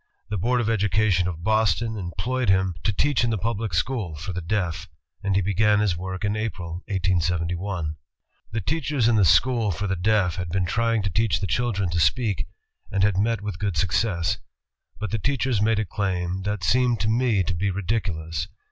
The Board of Education of Boston employed him to 234 INVENTIONS OF PRINTING AND COMMUNICATION teach in the public school for the deaf, and he began his work in April, 187 1. *^The teachers in the school for the deaf had been try ing to teach the children to speak, and had met with good success. But the teachers made a claim that seemed to me to be ridiculous.